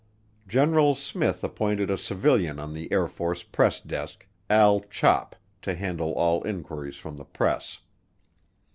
General Smith appointed a civilian on the Air Force Press Desk, Al Chop, to handle all inquiries from the press.